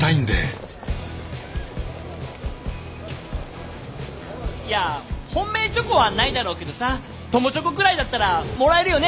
心の声いや本命チョコはないだろうけどさ友チョコくらいだったらもらえるよね。